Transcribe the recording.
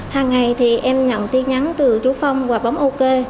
hàng ngày thì em nhận tin nhắn từ chú phong và bóng ok